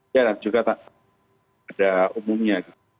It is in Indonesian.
ya dan juga pada umumnya